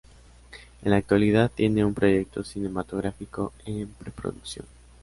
En la actualidad tiene un proyecto cinematográfico en preproducción.